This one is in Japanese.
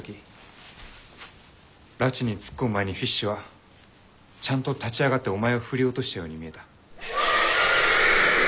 埒に突っ込む前にフィッシュはちゃんと立ち上がってお前を振り落としたように見えた。